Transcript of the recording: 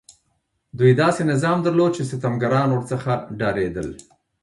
دوی داسې نظام درلود چې ستمګران ورڅخه ډارېدل.